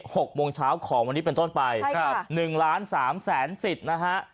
หกโมงเช้าของวันนี้เป็นต้นไปครับหนึ่งล้านสามแสนสิทธิ์นะฮะ